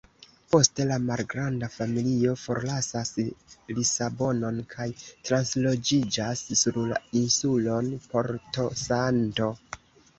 Poste la malgranda familio forlasas Lisabonon kaj transloĝiĝas sur la insulon Porto-Santo.